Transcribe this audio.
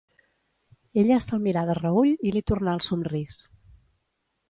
Ella se'l mirà de reüll i li tornà el somrís.